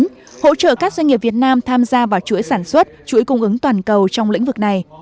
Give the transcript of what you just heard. cung cấp phần mềm hỗ trợ các doanh nghiệp việt nam tham gia vào chuỗi sản xuất chuỗi cung ứng toàn cầu trong lĩnh vực này